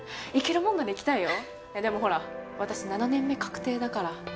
でもほら私７年目確定だから。